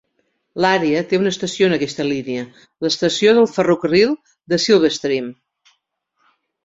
L'àrea té una estació en aquesta línia; l'estació de ferrocarril de Silverstream.